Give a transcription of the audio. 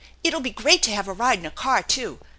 It'll be great to have a ride in a car, too.